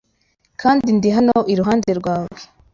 kandi ndi hano iruhande rwawe.”